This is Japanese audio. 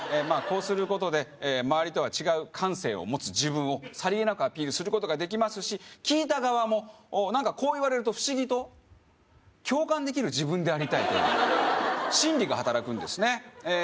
まあこうすることで周りとは違う感性を持つ自分をさりげなくアピールすることができますし聞いた側も何かこう言われると不思議と共感できる自分でありたいという心理が働くんですね